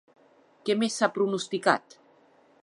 Què més s'ha pronosticat?